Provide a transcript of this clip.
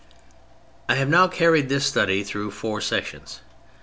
I have now carried this study through four sections.